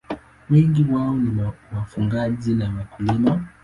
Wengi wao ni wafugaji na wakulima.